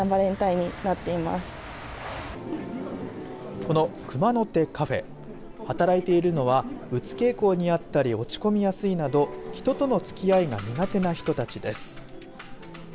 このクマの手カフェ働いているのはうつ傾向にあったり落ち込みやすいなど人との付き合いが苦手な人たちです。